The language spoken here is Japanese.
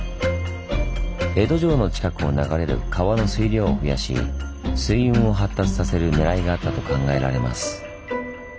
江戸城の近くを流れる川の水量を増やし水運を発達させるねらいがあったと考えられます。